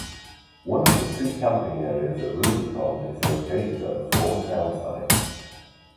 One of the three camping areas at Rubicon is located at the former townsite.